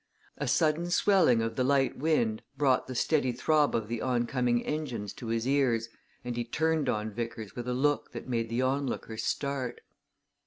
A sudden swelling of the light wind brought the steady throb of the oncoming engines to his ears and he turned on Vickers with a look that made the onlookers start.